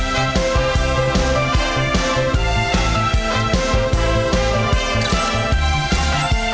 และเต็มแรม